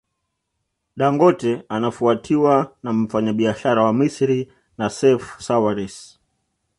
Dangote anafuatiwa na mfanyabiashara wa Misri Nassef Sawaris